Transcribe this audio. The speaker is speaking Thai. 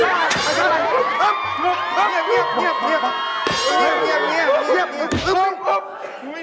เสร็จแล้วนะครับพี่